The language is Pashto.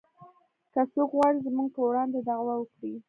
که څوک وغواړي زموږ په وړاندې دعوه وکړي